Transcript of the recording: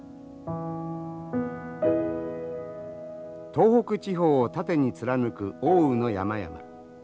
東北地方を縦に貫く奥羽の山々。